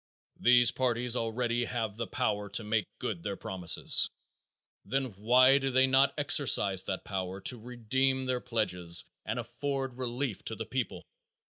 These parties already have the power to make good their promises, then why do they not exercise that power to redeem their pledges and afford relief to the people?